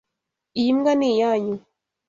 Iyi mbwa ni iyanyu.